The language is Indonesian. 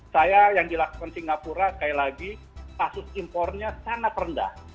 saya yang dilakukan singapura sekali lagi kasus impornya sangat rendah